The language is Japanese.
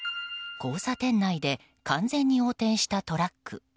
交差点内で完全に横転したトラック。